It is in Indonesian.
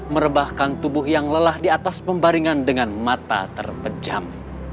merebahkan tubuh yang lelah di atas pembaringan dengan mata terpejam